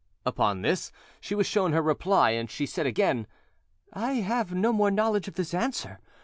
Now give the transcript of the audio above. Upon this, she was shown her reply, and she said again, "I have no more knowledge of this answer.